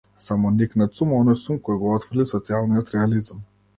Самоникнат сум, оној сум кој го отфрли социјалниот реализам.